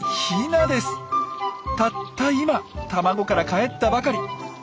たった今卵からかえったばかり。